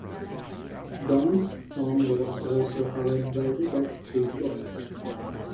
Dawn's song was also covered by the Backstreet Boys.